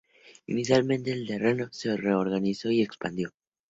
Inicialmente, el terreno se reorganizó y expandió.